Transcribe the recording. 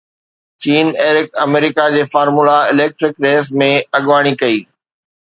Jean-Éric آمريڪا جي Formula electric race ۾ اڳواڻي ڪئي